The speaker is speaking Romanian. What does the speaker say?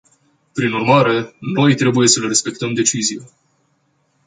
Prin urmare, noi trebuie să le respectăm decizia.